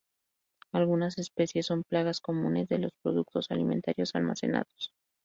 Algunas especies son plagas comunes de los productos alimentarios almacenados.